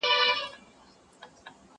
هر موږك سي دېوالونه سوري كولاى